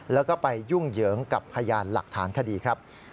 แล้วก็ไปยุ่งเหยิงกับพยานหลักฐานคดีครับ